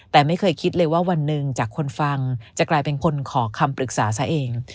แต่ไม่เคยคิดเลยว่าวันหนึ่งจากคนฟังจะกลายเป็นคนขอคำปรึกษาซะเอง